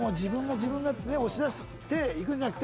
自分が！」ってね押し出していくんじゃなくて。